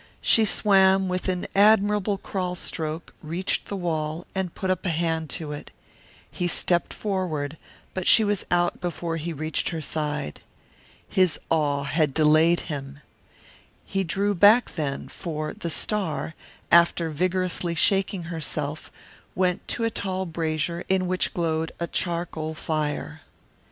She swam with an admirable crawl stroke, reached the wall, and put up a hand to it. He stepped forward, but she was out before he reached her side. His awe had delayed him. He drew back then, for the star, after vigorously shaking herself, went to a tall brazier in which glowed a charcoal fire.